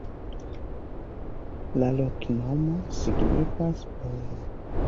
La loknomo signifas: polo.